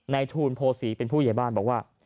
ทูลโพศีเป็นผู้ใหญ่บ้านบอกว่า